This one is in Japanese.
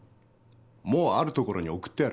もうあるところに送ってある。